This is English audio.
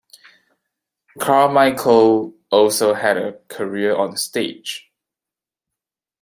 Carmichael also had a career on stage.